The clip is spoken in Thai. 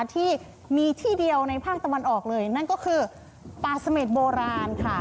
ที่มีที่เดียวในภาคตะวันออกเลยนั่นก็คือปลาสเม็ดโบราณค่ะ